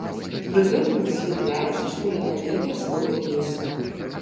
Пры гэтым высвятляецца, што яна ведае словы песні!